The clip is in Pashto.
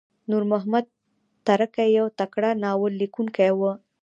نورمحمد ترهکی یو تکړه ناوللیکونکی وو.